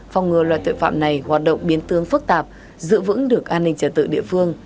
phòng ngừa loại tội phạm này hoạt động biến tương phức tạp giữ vững được an ninh trả tự địa phương